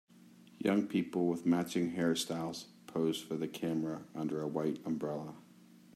Young people with matching hairstyles pose for the camera under a white umbrella.